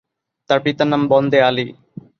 তার পিতার নাম বন্দে আলী।